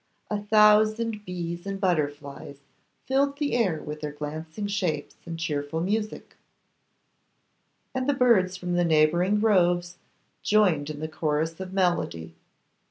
A thousand bees and butterflies filled the air with their glancing shapes and cheerful music, and the birds from the neighbouring groves joined in the chorus of melody.